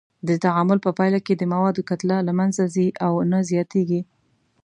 د تعامل په پایله کې د موادو کتله نه منځه ځي او نه زیاتیږي.